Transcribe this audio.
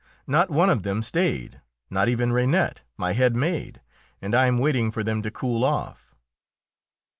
Not one of them stayed, not even Reinette, my head maid, and I am waiting for them to cool off."